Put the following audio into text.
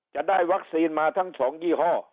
จะได้วัคซีนมาทั้ง๒ยี่ห้อ